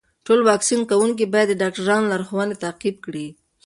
ټول واکسین کوونکي باید د ډاکټرانو لارښوونې تعقیب کړي.